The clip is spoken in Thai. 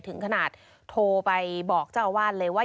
ถึงขนาดโทรไปบอกเจ้าอาวาสเลยว่า